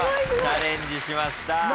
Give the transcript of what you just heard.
チャレンジしました。